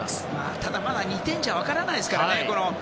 ただ、まだ２点じゃ分からないですからね。